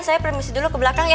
saya premisi dulu ke belakang ya